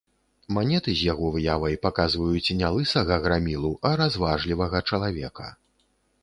Манеты з яго выявай паказваюць не лысага грамілу, а разважлівага чалавека.